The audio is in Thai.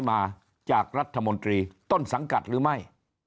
มาจากรัฐมนตรีต้นสังกัดหรือไม่